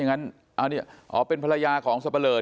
อย่างนั้นเป็นภรรยาของสัปเลอร์